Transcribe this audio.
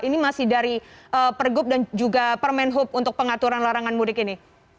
ini masih dari pergub dan juga permen hub untuk pengaturan larangan mudik ini